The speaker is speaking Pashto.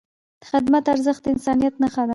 د خدمت ارزښت د انسانیت نښه ده.